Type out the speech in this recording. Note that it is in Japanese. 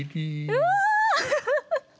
うわ。